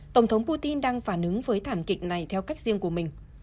tổng thống putin đang phản ứng với thảm kịch này theo cách riêng của mình